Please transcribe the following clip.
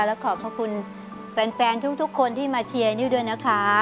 แล้วขอบพระคุณแฟนทุกคนที่มาเชียร์นิ้วด้วยนะคะ